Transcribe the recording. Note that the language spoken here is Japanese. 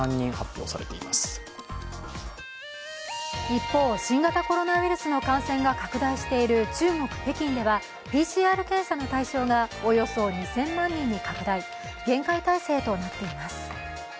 一方、新型コロナウイルスの感染が拡大している中国・北京ではＰＣＲ検査の対象がおよそ２０００万人に拡大、厳戒態勢となっています。